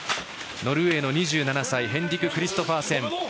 ノルウェーの２７歳ヘンリク・クリストファーセン。